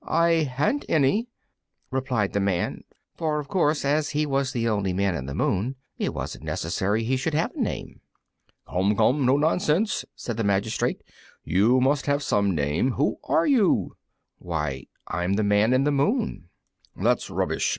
"I haven't any," replied the Man; for of course as he was the only Man in the Moon it wasn't necessary he should have a name. "Come, come, no nonsense!" said the magistrate, "you must have some name. Who are you?" "Why, I'm the Man in the Moon." "That's rubbish!"